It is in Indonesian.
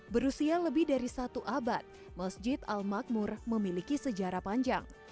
berusia lebih dari satu abad masjid al makmur memiliki sejarah panjang